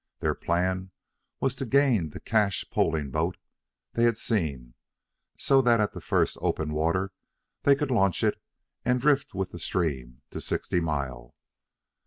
Their plan was to gain to the cached poling boat they had seen, so that at the first open water they could launch it and drift with the stream to Sixty Mile.